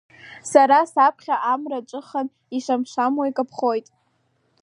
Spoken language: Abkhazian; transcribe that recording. Сара саԥхьа Амра ҿыхан, ишамшамуа икаԥхоит.